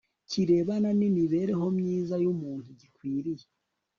kirebana nimibereho myiza yumuntu gikwiriye